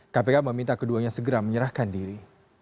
kpk meminta keduanya segera menyerahkan diri